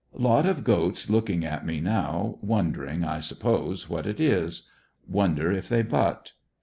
Lot of goats looking at me now, wondering, I suppose, what it is. Wonder if they butt?